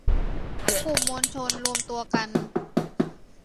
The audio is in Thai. กลุ่มมวลชนรวมตัวกัน